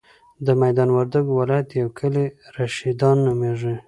د ميدان وردګو ولایت یو کلی رشیدان نوميږي.